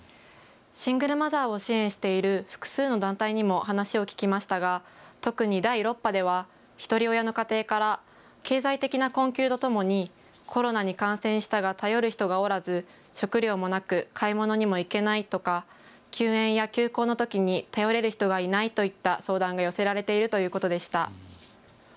シングルマザーを支援している複数の団体にも話を聞きましたが特に第６波ではひとり親の家庭から経済的な困窮とともにコロナに感染したが頼る人がおらず食料もなく買い物にも行けないとか休園や休校のときに頼れる人がいないといった相談が寄せられているということでした。